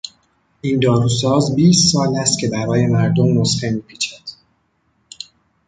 این داروساز بیست سال است که برای مردم نسخه میپیچد.